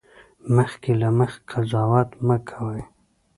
مخکې له مخکې قضاوت مه کوئ